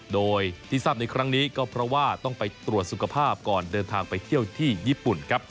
โดยที่ทราบในครั้งนี้ก็เพราะว่าต้องไปตรวจสุขภาพก่อนเดินทางไปเที่ยวที่ญี่ปุ่นครับ